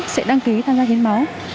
sẽ đăng ký tham gia hiến máu